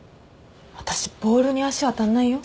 私ボールに足当たんないよ？